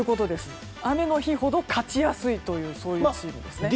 雨の日ほど勝ちやすいということですね。